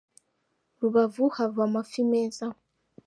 Rubavu hava amafi meza.